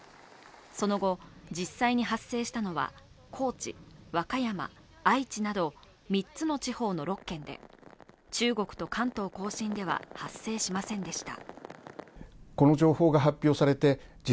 その後、実際に発生したのは高知、和歌山、愛知など３つの地方の６県で、中国と関東甲信では発生しませんでした。